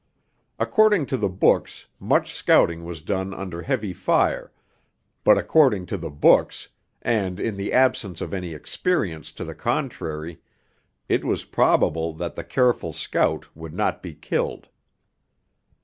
According to the books much scouting was done under heavy fire, but according to the books, and in the absence of any experience to the contrary, it was probable that the careful scout would not be killed.